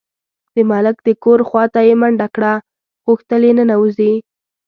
د ملک د کور خواته یې منډه کړه، غوښتل یې ننوځي.